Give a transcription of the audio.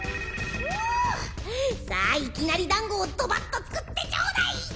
さあいきなりだんごをどばっと作ってちょうだい！